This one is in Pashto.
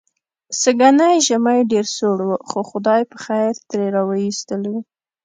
سږنی ژمی ډېر سوړ و، خو خدای پخېر ترې را و ایستلو.